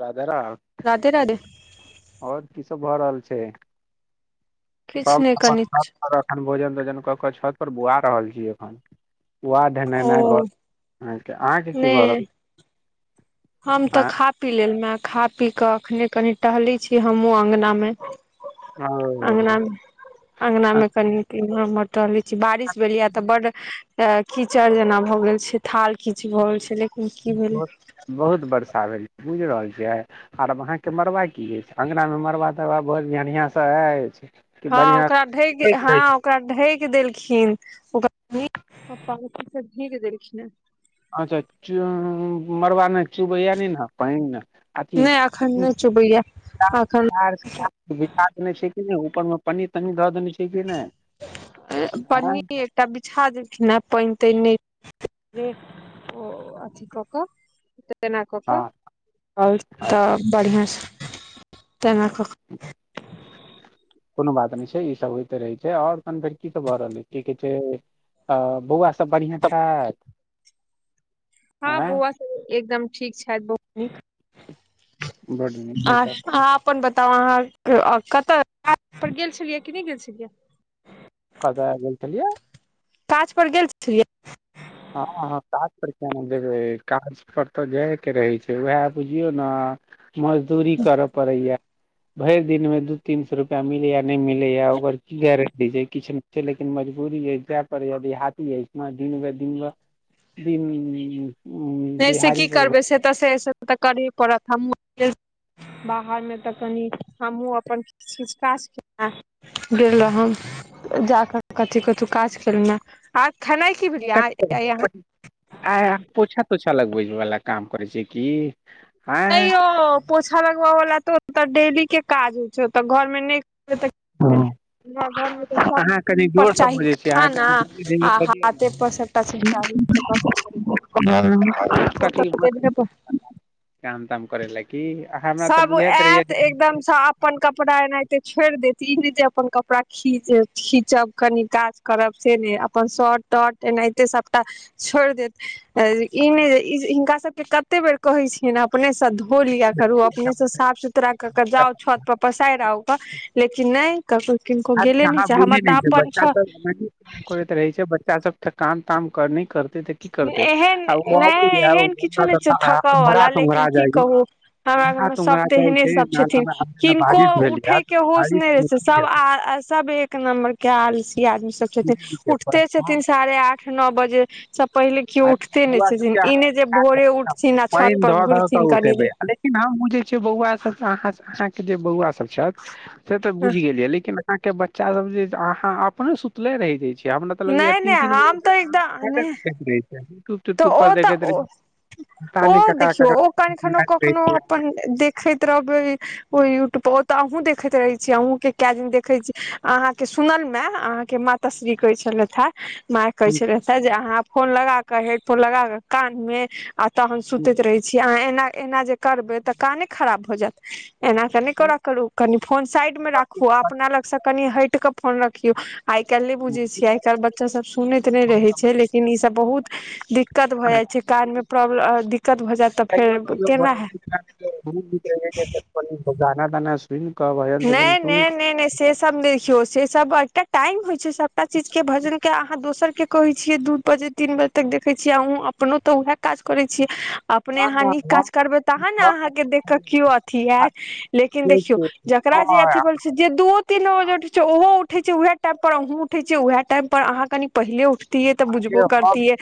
राधा राम राधे राधे और की सब भऽ रहल छैइ किछु नहि कनि ख भोजन तोजन क [unintelligible] ओकर छत पर बौआ रहल छी अखन बौआ ढनढनाई ओ भ अहाँके की भऽ नहि रहल हम तऽ आ खा पी लेलुं ह खा पी कऽ एखने कनि टहलैई छी हमहुँ अङ्गना में ओ अंगना में अंगना में कनि कि टहले छी बारिश भेलय तऽ बड़ कीचड़ जेना भऽ गेल छैइ थाल कीच भ गेल छलैअइ लेकिन की भेल बुझ रहल छिअइ आर अहां के मड़बा की अंगना में मड़बा तरवा बर बहन्यिया सब [inaudible] हां ओकरा ढकि हां ओकरा ढकि देलखिन ओकरा पप्पाी सब भी के देलखिन ने [unintelligible] अच्छा चौं मरबा में चूबैया नैइ ना पाइन अथि नहि एखन नहि चुबैया च एखन च भा देने छै कि नहि उपर मे पनीर तनी दऽ देने छै [unintelligible] पन्नी एकटा बिछा देलखिन ह पानि तानि नई ओ अथि क क तेना कऽ कऽ हँ और अच्छा तऽ बढ़िआँ से तना क कोनो बात नई छैइ ई सब होयते रहिए छैइ और कनी फेर की सब भए रहल की कहे छैय बौआ सब बढ़िआँ छथि हां आँय बौआ सब एकदम ठीक छथि बहुत बड्ड नीक आ नीक आहां अपन बात तब अहाँ कतऽ गेल छलियै कि नहि गेल छलियै [unintelligible] कतअ् गेल छलिअइ काज पर गेल छलियै हँअ् हँअ् काज पर किया नई जेबै काजपर तऽ जायके रहैइ छैइ उएह बुझियौ न मजदूरी करय पड़ैया भैर दिन मे दू तीन स रुपआ मिलै या नहि मिलै या ओकर की गारंटी छै किछु नहि छै लेकिन मजबूरी ह जाय पर देहाती इ दिन भैर दिन भैर दिन नहि से की दिहाड़ीपर करबै से तऽ से तऽ करे पड़त हमहूँ बाहरमे तऽ कनि हमहूँ अपन किछ किछ काज छला गेल रहौँ जा क कथी कथू काज कैलौ ह क आ पोछ त छै [unintelligible] अच्छा लगबै वला काम करै छै की आ नै यौ पोछा लगबयवला तऽ ओतऽ डेली के काज होइ छै ओतऽ घरमे नहि करबै त हँ अहाँ कनि जोरसँ बजैत छीयै अहाँ खाना कनि धीरे धीरे आ बजयौ हाथे पर सबटा चीज चाही न कठि काम ताम [unintelligible] हमरा तऽ सब बुझाइत रहैया आयत जे एकदमसँ अपन कपड़ा एनाहिते छोड़ देत ई नहि जे अपन कपड़ा खी खीचब कनि काज करब से ने अपन शर्ट तर्ट एनाहे सबटा छोर देत ई ई हिनका सबके कते बेर कहै छिय ओ नेस हो लिया करु अपने से साफ सुथरा कर के जाउ छत पर पसाइर आउ लेकिन नहि ककरो किनको गेले नहि आ छै हमर बोले तऽ नहि छै अपन बच्चा छत सब करैत रहै छै इ सब ठ काम ताम करनि एहन नहि अबैया एहन किछो ओंघरा नहि छै थकयवला तोंघरा लेकिन की जाइया कहू हमरा ओंघरा घवमे तोंघरा सभ जाइ तेहने छै सभ नाला छथिन मे किनको बारिश भेल या उठयके होश बारिश नहि रहै छै सभ आ सब एक नम्बर के आलसी आदमी सब छथिन उठते मे छथिन साढ़े आठ नौ बजे सब पहिले केओ अर उठते नहि बुआ छथिन सबके ई अहाँ नहि जे भोरे उठथिन आ छत पैन पर धऽ ध क घुरथिन कनि उठेबे लेकिन हम [unintelligible] बहुआ सब अहाँ सब आहा के जे बौआ सब छथि से तऽ देर बुझि गेल या लेकिन अहाँ के बच्चा सब जे अहाँ अपने सुतले रहहि जाय छीै अपने तऽ लग य नहि तीन नहि तीन बजे हम तऽ एकदम नहि तक [unintelligible] तऽ त्यूट्यूब पर ओ तऽ देखैत ओ रहै छै पता ओ नहि ककरा देखियौ ककरा ओ कखनो बतियाइत रहै कखनो छियै। अपन देखैत रहबै ओ ओ तऽ अहूँ देखैत रहै छीयै अहु के कए दिन देखे छी अहाँ के सुनल में अहाँ के माता श्री की कहै छलैथ है माय कहे छलेे जे अहाँ फोन लगाक हेडफोन लगाक कान मे अ तहन सुतैत रहै छी अहाँ एना एना जे करबै तऽ काने खराब भऽ जायत एना तऽ नहि कर करू कनि फोन साइड मे राखू अपना लग से कनि हइट क फोन रखियो आई काल् ने बुझे छीये आइ काल्हि बच्चा सब सुनैत नहि रहे छै लेकिन ई सब बहुत दिक दिक्कत भऽ जाइ छै कार मे प्रॉब्लम दिक्कत भऽ जायत तऽ कहियो फेर कहियो भऽ केना है जाइ [unintelligible] उ दाना दाना नैय नैय नैय नैय सेसभ देखियौ सेसभ एक टाइम होइ जे सबटा चीज के भजन के अहाँ दोसर के कहै छियै दू बजे तीन बजे तक देखै छियै अहूँ अपनो तऽ उएह काज करै छी अपने ना अहाँ ना नीक हम काज करबै तहन ने घर अहाँके देख कऽ पर केओ अथी होयत लेकिन देखियौ छियै। ओकरा जे हँ अथी बोल छै जे दूओ तीनो उठै छै ओहो उठै छै उएह टाइम पर अहुँ उठै छीयै उएह टाइम पर अहाँ कनि पहिेले उ ठतिऐ तऽ बुझबो पाँच करतियै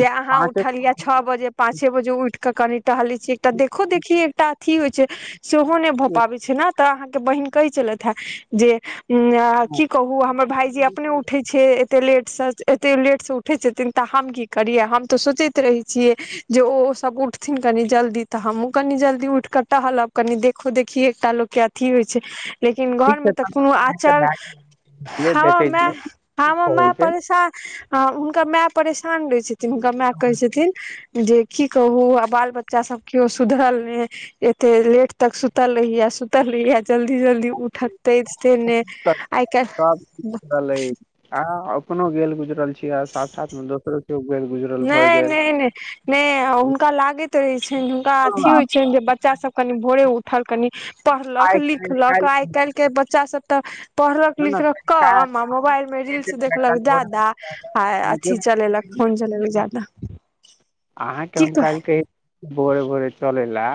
जे अहाँ उठलिय छओ बजे पाँचे बजे उठ कऽ कनि टहलै छी एकटा देखो देखि एकटा अथी होइ छै सेहो नहि भऽ पाबैत छै ने तऽ अहाँके बहिन कहै छलथि हेँ जे की कहु हमर भाईजी अपने उठे छै एते लेट एते लेट से उठे छथिन तऽ हम की करिय हम तऽ सोचैत रहे छियै जे ओ सब उठथिन कनि जल्दी तऽ हमहुँ कनी जल्दी उठ कऽ टहलब कनि देखो देखिय एकटा लोक के अथी होइ छै लेकिन ठीक छै घरमे तऽ तहन कोनो अपनेके आचर भए गेल ह देखै मै छियै की ह माए कहै छै परेशान उनका मै परेशान रहै छथिन हुनकर माए कहै छथिन जे की कहू आ बाल बच्चा सब कियो सुधरल ने एते लेट तक सुतल रहैया त लिय जल्दी जल्दी उठतै से नै हकीकत आइ कैल आ अपनो गेल गुजरल छीयै आ साथ साथमे दोसरो केओ गेल गुजरल भऽ नहि गेल नहि नहि नहि हुनका लागैत रहैत छनि हुनका अथी होइत छनि जे बच्चासभ कनि भोरे उठल कनि पढ़लक आइ काल्हि लिखलक आइ काल्हि के बच्चा सब तऽ पढ़लक ने लिखलक कम आ मोबाइलमे रील्स देखलक जादा आ अथी चलेलक फोन [unintelligible] के हम कह काल्हिके भोरे भोरे चले ला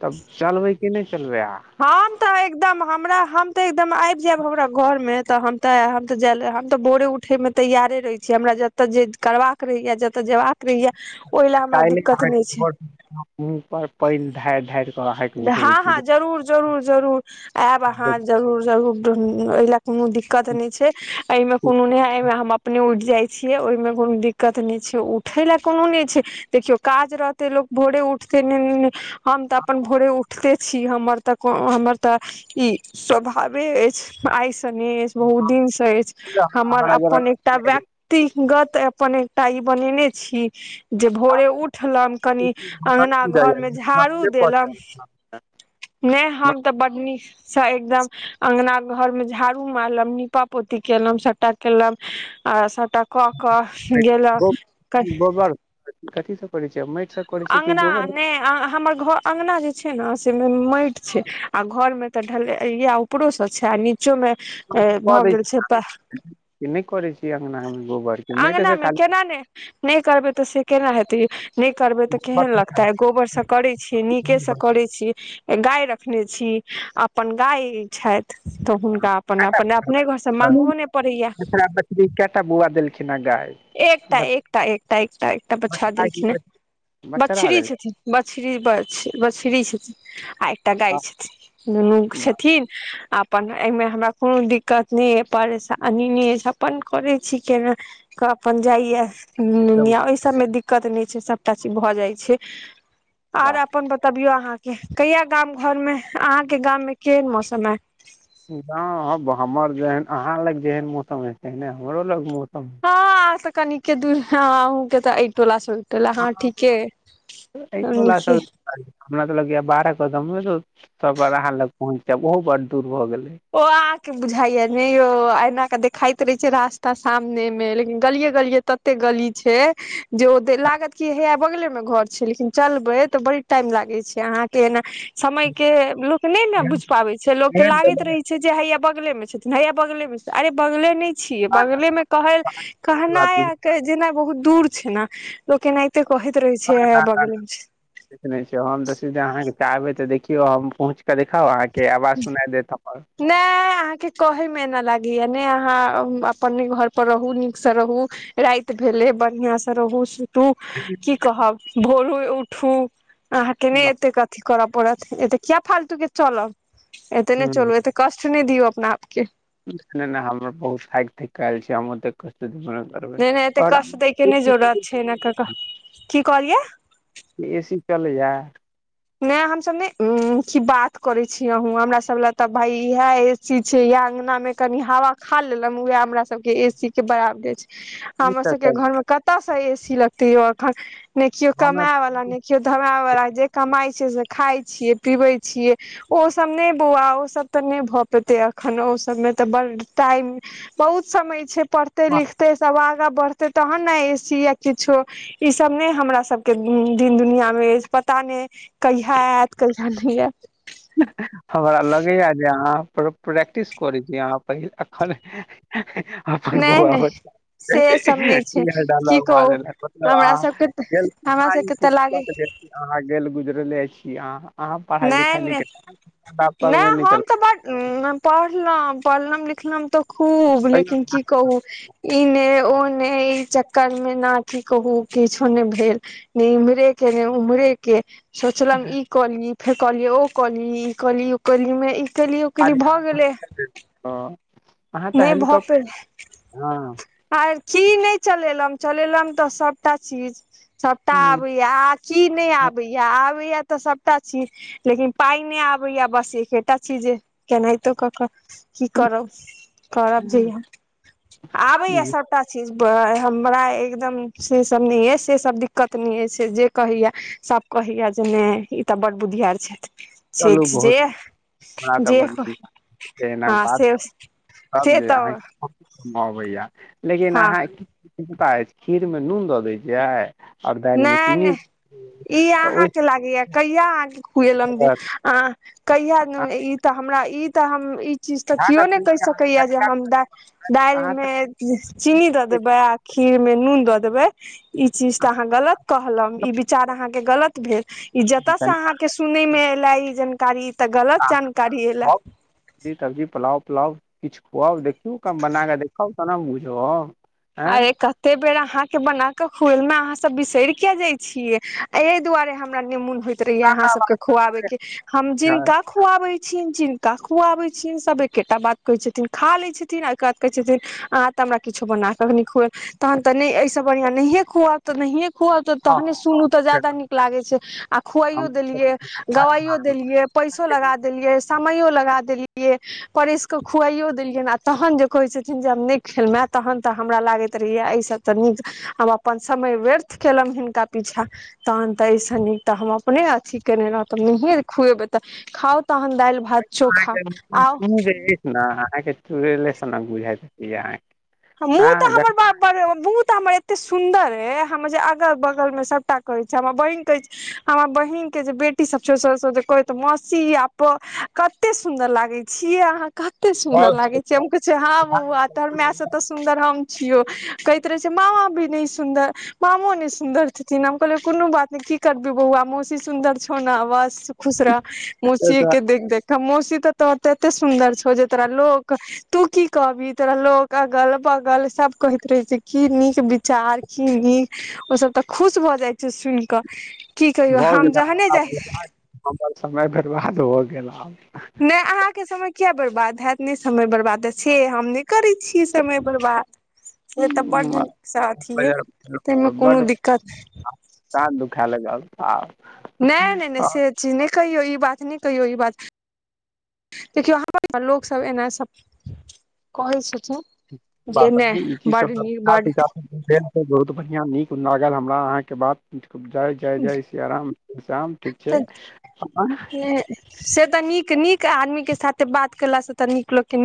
तब चलबे की नहि चलबै अहाँ हम तऽ एकदम हमरा हम तऽ एकदम आबि जायब हमरा घरमे तऽ हम तऽ हम तऽ जाय हम तऽ भोरे उठैमे तैयारे रहै छी हमरा जतऽ जे करबाक रहैया जतऽ जेबाक क अहाँ घ मुँह पर पानि ढारि ढ़ारि कऽ अहाँके उठबै हँ छी हँ जरूर जरूर जरूर आयब अहाँ जरूर जरूर एहि ल कोनो दिक्कत नहि छै ऐमे कोनो नहि ए मे हम अपने उ जाइ छियै ओहिमे कोनो दिक्कत नहि छै उठे ला कोनो नहि छै देखियो काज रहते लोको भोरे उठ न हम तऽ अपन भोरे उठते छी हमर तऽ हमर तऽ ई स्वभावे अछि आ तनी उ दिन से अछि हमर अपन एकटा व्यक्तिगत तऽ अपन एकटा ई बनेने छी जे भोरे उठलक कनि अङगना घरमे झाड़ू देलम प नहि हम तऽ बड नीसँ एकदम अंगना घरमे झाड़ू मारलक नीपा पोती केलहुं सबटा केलम आ सब त क क ग गेलल गोबर कथी सभ पढ़ै छै अंगना नहि हमर घ अंगना जे छै ने से माट छै आ घरमे तऽ ढल इह ऊपरो से छै आ नच चोमे कऽ भऽ दै गेल छियै छै प कि नहि करै छियै अंगना मे गोबर के माटि अंगना से मे खाली केना ने नहि करबै तऽ से केना हेतै नहि करबे तऽ बस केहन लगतै गोबरसँ करै छियै नीकेसँ करै छियै गाय रखने छी अपन गाय छथि तऽ हुनका अपन काटा अपन अपने घरसँ मागहो नहि पड़ैया बछड़ा बछड़ी केटा बौआ देलखिन ह गाय एकटा बछ- एकटा एकटा एकटा एकटा प छा बछड़ा की देलेखिन हन बछ- बछड़ा बछरी देलखिन छथिन बछरी बछरी छथिन आ एकटा गाय हँ। छथिन दुनू वाह छथिन अपन एहिमे हमरा कोनो दिक्कत नहि ह परेशानी नहि अपन करै छिकना केऽ अपन जाइयन जब- ओहि सभमे दिक्कत नहि छै सभटा चीज भऽ जाइ छै आर वाह अपन बतबियौ अहाँ कहिया गाम घर मे अहाँके गाममे केहन मौसम हय हँ हमर जेहन अहाँ लग जेहन मौसम हे तेने हमरो लग मौस हँ त कानिके दके तऽ टो ल त हँ ठीके हम एहिवला छी सब हमरा तऽ लगया बारह कदमो सब अहाँ लग पहुँचते ओहो बड़ दूर भऽ गेल ओ अहाँके बुझाइया ने यौ एना के देखा रहे छै रास्ता सामने मे लेकिन गलिये गलिये तते गली छै जे ओ लागत की हे यै बगले मे घर छै लेकिन चलबै तऽ बड़ी टाइम लागे छै अहाँके एना समय के लोक नहि ने बुझ पाबे छै लोक के लागैत रहे छै हैया बगले मे छथिन हैया बगले मे अरे बगले न बगले मे कह कहनाइ जेना बहुत दूर छै ने लोकना ह ना ना छै हम तऽ सिधे अहाँके आबै तऽ देखियौ हम पहुँच कऽ देखाउ अहाँके आवाज सुना देत अपन कहे मेना लागेया ने अहाँ अपने घर पर रहु नीक से रहु राईत भेले बढ़िआं से रहू तू की कहब भोरू उठू अहाँके नैय एतेक कथी करऽ पड़त एत किया फालतू के चलब एते नहि चलू एतेक कष्ट नहि दियऔ अपना आपके नैय नैय हमर बहुत हारि थाकि आएल छै हमर नहि नहि एते बरओर कष्ट दै के नहि जरूरत छै एना क क की कहलियै ऐसी चलैया नहि हमसभ ने कि बात करे छीये अहो हमरा सब लए तऽ भाय इएह चीज छै इह अंगना मे कनि हवा खा लेले उएह हमरा सब के ए सी के बराबरे छै ई हमर तऽ सबके सब घर मे कतयसँ ए सी लगतै य अखन ने केओ कमाय वाला ने केओ धमाय वाला जे कमाई छै खाय छियेँ पीबै छियै ओ सब नहि बौआ ओ सब तऽ नहि भए पेते अखन ओ सब मे तऽ ब टाइम बहुत समय छै पढ़ते लिखते साल पूरा बढ़ते तहन ने ए सी या किछो ई सब ने हमरा सब के दिन दुनिया मे अछि पता नैय कहिया आयत कहिया नै आयत हमरा लगैय जे अहाँ प्रो प्रैक्टिस करै छी अहाँ पहि अखन अपन नहि बौआ नहि बच्च से सब नहि छै डलब की अहां कहू मारलय मतलब हमरा अहाँ सबके तऽ हमरा सबके तऽ लागे अहाँ गेल गुजरले छीह अहाँ अहाँ पढ़ाई लिखाई न नैय हम तऽ ब पढ़लौ पढ़लम लिखलम तऽ खूब तैयो लेकिन की कहू इ ने ओ ने ई चक्कर मे न की कहू किछो ने भेल ने इम्हरे के ने उम्हरे के सोचलम ई कली फेर कहली ओ कली ईली ओ कली मे ई उकेली उकेली भाग भऽ गेलै जाउ। अहाँ तऽ नैय हेलीकॉप्टर भऽपेर हँ आर की नैय चलेलम चलेलम तऽ सभटा चीज सभटा हूँ, आबैएा आ की नहि आबैएा आबैए तऽ सभटा छी लेकिन पाइ नहि आबैया बस एकेटा छी जे केनाहितो कऽ कऽ की करब करब जया आबैया जी सभटा चीज हमरा एकदम से सब नहि अछि से सब दिक्कत नहि जे कहैय सब ओहिय जे ने ई तऽ बड बुधियार चलू छथि बहुत जे हमरा तऽ जे बड़ नीक हँ बात से त से जे तऽ अहाँके अबैया लेकिन हँ अहाँ क चिता अछि खीरमे नून दऽ दै छियै आओर दालि मे नैय चीनी नैय ई तऽ ओहि अहााँके लागेया क कहिया खुएलौ जे अहाँ कहिया ई त हमरा ई त हम ई त चीज तऽ ध्यान क्यो ने रखबै कहि कि अहाँ सके या जे कनिया हम दालि अहाँ मे चीनी द तऽ देबे आ खीर में नुन दऽ देबै त अहाँ गलत कहले ई विचार अहाँ के गलत भेल ई जतऽ से अहाँ अहाँके सुनय मे एले ई जानकारी तऽ गलत जानकारी एला पुरि सब्जी पलाओ पलाऔ किछु खुआउ देखियौ कम बन कऽ देखब ना हम बुझब आँय अरे कते बेड़ा आहाँ के बना के खुएल में अहाँ सब बिसर के जाय छीयै एहि दुआरे हमरा निमुन होइत रहहिय अहाँ सब के खुआबे के हम जिनका खुआबे जिनका खुवाबे छी सभ एके बात कहे छतीन खा ले छथिन ओइ के बाद कहै छथिन आहा हमरा कुछो बना के नै खूएलै तहन त अईसे बढिया नहिये खुवाब त खुअल तऽ तहने सुनू तऽ ज्यादा नीक लागे छै आ खुवाइयो देलियै गवाइयो देलियै पैसो लगा देलियै समयो लग देलियै परस कऽ खुआइयो देलियै आ तहन जे कहे छथिन जे हम नहि खेलउ है तहन तऽ हमरा लागैत रहहिय एहि सब तऽ नीक हम अपन समय व्यर्थ केलहु हिनका पीछा त सँ नीक तऽ हम अपने अथी केने रह तऽ नहि खुएबै तऽ खाउ तहन दालि भात चोखा आउ तुरले सोना बुझााय त पिै ह मुँह तऽ हमर बाप बड़ हमर एते सुन्दर हे हम जे अगल बगल में सबटा कहै छी हमर बहिन कहै छी हमर बहिन के बेटी सब छै स कह मौसी आ कते सुंन्दर लागे छीयै अहाँ कते सुंन्दर लागे छै हम कहै छियै हँ बौआ कतयै ह ब तराय सब सुन्दर हम छिय कहैत रहे छ मामा भी नहि सुन्दर मामो नहि सुन्दर छथिेन हम कहलियै कोनो कोनो बात नहि की करबी बौआ मौसी सुन्दर छौ ने बस खुश रह मौसी के देख देख मौसी तऽ तोहर एते सुन्दर छौ जे तोरा लोक तू की कहबिी तोरा लोक अगल बगल सब कहैत रहे छै की नीक विचार की नीक ओ सब ते खुश ब ऽ जाइ छै सुन कऽ की कहियौ भऽ हम जहने जाइ गेल समय बर्बाद भऽ गेल आब [unintelligible] नहि अहाँके समय किया बर्बाद हैत नहि समय बर्बाद तऽ से हम नहि करैत छियै समय बर्बाद से तऽ बड्ड नीकसँ अथी अइ ताहिमे कोनो दिक्कत नहि दात दुख लगल आब नहि नहि नहि से चीज नहि कहियौ ई बात नहि कहियो ई बात देखियौ हम लोक सब एना सब कहै छथिन ब जे नहि ई चीज बड नीक सबच बड भेल बहुत बढ़िआं नीक ल हमरा अहाँ के बात जाइ जाय जाइ सिया राम शाम ठीक छै तऽ अपन से तऽ नीक नीक आदमी के साथे बात केला से तऽ नीक लोकनि